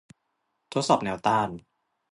ทดสอบแนวต้าน